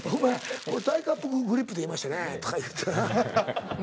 「これタイカップグリップって言いましてね」とか言うてな。